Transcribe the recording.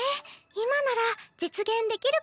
今なら実現できるかなあ。